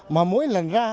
mà mỗi lần ra